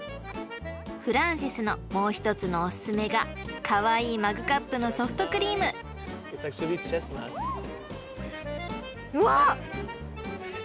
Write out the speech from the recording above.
［フランシスのもう１つのお薦めがカワイイマグカップのソフトクリーム］うわ！